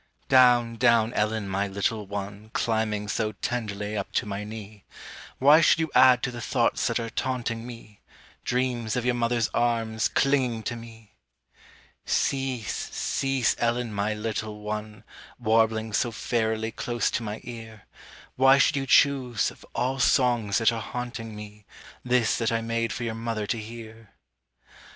Down, down, Ellen, my little one, Climbing so tenderly up to my knee; Why should you add to the thoughts that are taunting me, Dreams of your mother's arms clinging to me? Cease, cease, Ellen, my little one, Warbling so fairily close to my ear; Why should you choose, of all songs that are haunting me, This that I made for your mother to hear?